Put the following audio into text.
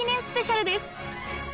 スペシャルです